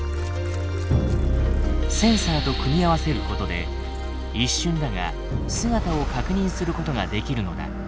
センサーと組み合わせることで一瞬だが姿を確認することができるのだ。